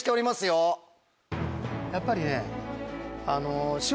やっぱりね。